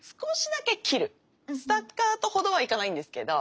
スタッカートほどはいかないんですけど。